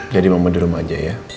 jadi mama dirumah aja ya